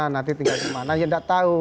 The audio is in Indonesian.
nanti tinggal dimana ya nggak tahu